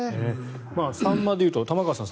サンマでいうと玉川さん